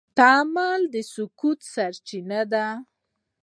تعادل د سکون سرچینه ده.